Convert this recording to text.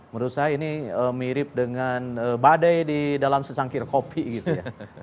menurut saya ini mirip dengan badai di dalam secangkir kopi gitu ya